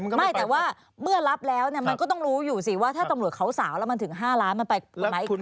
ไม่แต่ว่าเมื่อรับแล้วมันก็ต้องรู้อยู่สิว่าถ้าตำรวจเขาสาวแล้วมันถึง๕ล้านมันไปไหม